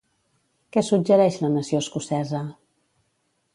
Què suggereix la nació escocesa?